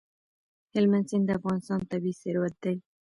هلمند سیند د افغانستان طبعي ثروت دی.